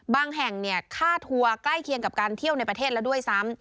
แห่งค่าทัวร์ใกล้เคียงกับการเที่ยวในประเทศแล้วด้วยซ้ำ